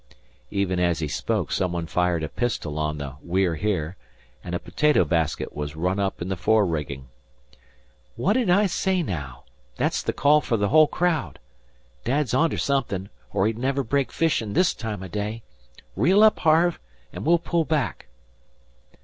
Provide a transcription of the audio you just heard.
Even as he spoke some one fired a pistol on the We're Here, and a potato basket was run up in the fore rigging. "What did I say, naow? That's the call fer the whole crowd. Dad's onter something, er he'd never break fishin' this time o' day. Reel up, Harve, an' we'll pull back."